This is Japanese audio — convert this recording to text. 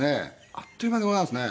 あっという間でございますね。